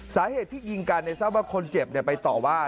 สาเหตุที่ยิงกันทราบว่าคนเจ็บไปต่อว่า